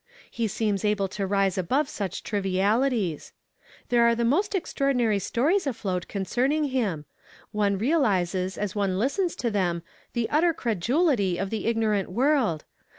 He seems able to lise above such trivialities. There are the most exti'aordinarv stories afloat concernincr him. One realizes as one listens to them the utter 118 YESTERDAY FRAMED IN tO DAIt. credulity of the ignorant world.